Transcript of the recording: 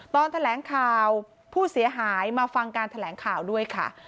ตอนแถลงข่าวผู้เสียหายมาฟังการแถลงข่าวด้วยค่ะ